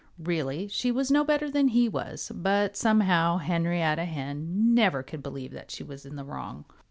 Really she was no better than he was. But somehow Henrietta Hen never could believe that she was in the wrong.